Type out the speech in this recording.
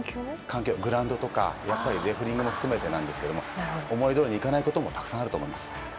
グラウンドとかレフリングも含めて思いどおりにいかないこともたくさんあると思います。